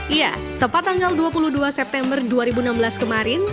iya tepat tanggal dua puluh dua september dua ribu enam belas kemarin